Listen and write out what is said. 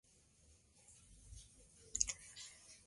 Sale corriendo del coche y se mete en uno de los dinosaurios.